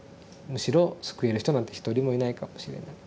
むしろ救える人なんて一人もいないかもしれない。